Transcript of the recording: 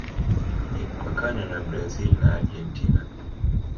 Imepakana na Brazil na Argentina.